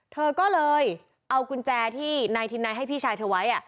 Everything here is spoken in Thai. เธอก็เลยเอากุญแจที่นายทินนายให้พี่ชายเธอไว้